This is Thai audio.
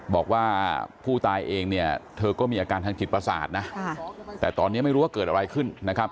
บอกว่าผู้ตายเองเนี่ยเธอก็มีอาการทางจิตประสาทนะแต่ตอนนี้ไม่รู้ว่าเกิดอะไรขึ้นนะครับ